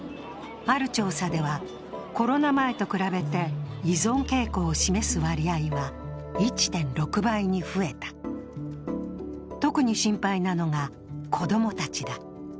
ある調査では、コロナ前と比べて依存傾向を示す割合が１．６倍に増えた特に心配なのが、子供たちだ。